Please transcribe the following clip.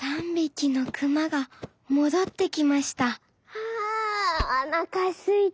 「あおなかすいた」。